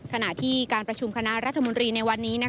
ขณะที่การประชุมคณะรัฐมนตรีในวันนี้